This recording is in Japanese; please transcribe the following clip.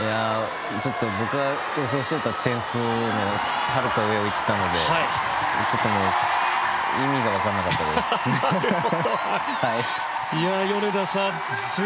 僕が予想していた点数のはるか上を行ったので意味が分からなかったです。